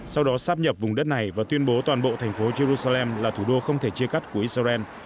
sau đó sáp nhập vùng đất này và tuyên bố toàn bộ thành phố jerusalem là thủ đô không thể chia cắt của israel